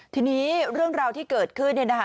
ทีนี้เรื่องราวที่เกิดขึ้นเนี่ยนะคะ